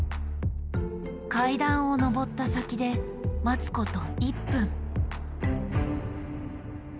階段を上った先で待つこと１分。